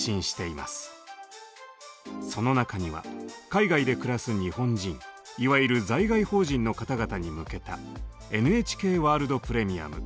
その中には海外で暮らす日本人いわゆる在外邦人の方々に向けた「ＮＨＫワールド・プレミアム」